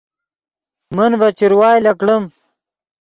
من ڤے چروائے لکڑیم